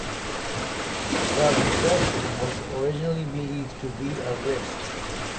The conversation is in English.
The depression was originally believed to be a rift.